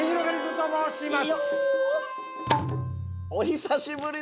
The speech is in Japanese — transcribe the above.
◆久しぶり！